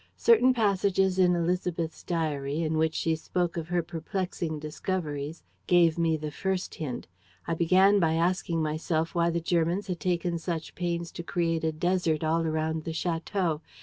Certain passages in Élisabeth's diary, in which she spoke of her perplexing discoveries, gave me the first hint. I began by asking myself why the Germans had taken such pains to create a desert all around the château.